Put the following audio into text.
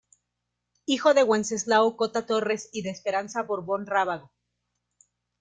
Hijo de Wenceslao Cota Torres y de Esperanza Borbón Rábago.